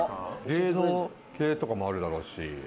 英語系とかもあるだろうし。